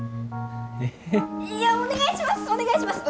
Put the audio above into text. お願いします！